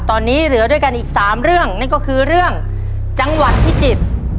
ตอนนี้เหลือด้วยกันอีก๓เรื่องนั่นก็คือเรื่องจังหวัดพิจิตร